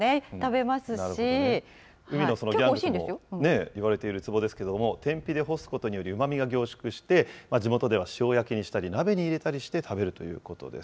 海のギャングといわれているウツボですけれども、天日で干すことにより、うまみが凝縮して、地元では塩焼きにしたり、鍋に入れたりして食べるということです。